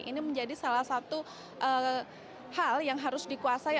ini menjadi salah satu hal yang harus dikuasai